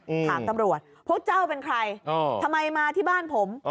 ถามตำรวจพวกเจ้าเป็นใครอ๋อทำไมมาที่บ้านผม